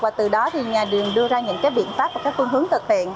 và từ đó nhà đường đưa ra những viện pháp và phương hướng thực hiện